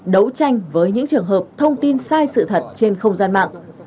đấu tranh với những trường hợp thông tin sai sự thật trên không gian mạng